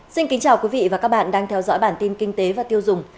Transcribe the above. xin kính chào quý vị và các bạn đang theo dõi bản tin kinh tế và tiêu dùng